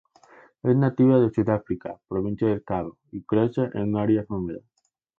Es nativa de Sudáfrica, Provincia del Cabo; y crece en áreas húmedas.